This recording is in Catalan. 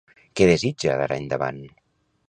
Què desitja d'ara endavant?